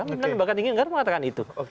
pimpinan lembaga tinggi negara mengatakan itu